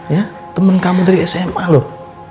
ya teman kamu dari sma loh